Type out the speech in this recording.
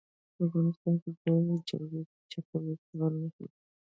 افغانستان کې جلګه د چاپېریال د تغیر نښه ده.